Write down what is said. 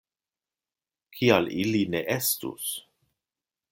Kial ili ne estus?